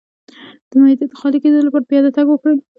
د معدې د خالي کیدو لپاره پیاده تګ وکړئ